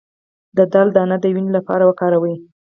د دال دانه د وینې لپاره وکاروئ